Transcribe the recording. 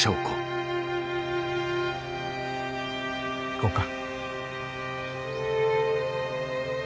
行こうか。